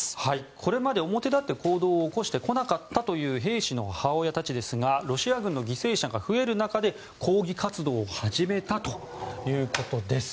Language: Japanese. これまで表立って行動を起こしてこなかったという兵士の母親たちがロシア軍の犠牲者が増える中で、抗議活動を始めたということです。